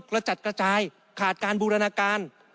กระจัดกระจายขาดการบูรณาการ